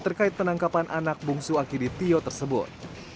terkait penangkapan anak bungsu akidi tio tersebut